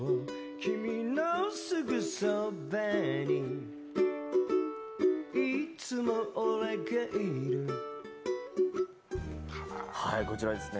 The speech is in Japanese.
君のすぐそばにいつも俺がいるこちらですね